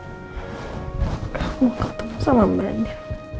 aku mau ketemu sama banin